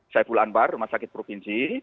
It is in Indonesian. saya pulang bar rumah sakit provinsi